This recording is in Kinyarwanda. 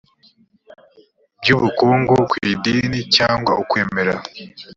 by ubukungu ku idini cyangwa ukwemera